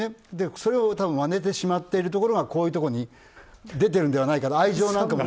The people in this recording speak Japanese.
それをまねてしまっているところがこういうところに出てるのではないかな